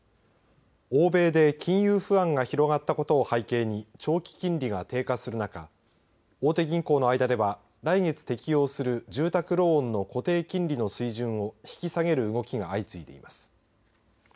欧米で金融不安が広がったことを背景に長期金利が低下する中大手銀行の間では来月適用する住宅ローンの固定金利の水準を引き下げる動きが相次いでいます。